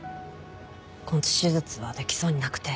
根治手術はできそうになくて。